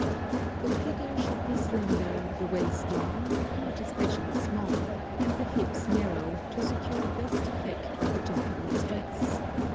The figure should be slender, the waist long, but not especially small, and the hips narrow, to secure the best effect with the Japanese dress.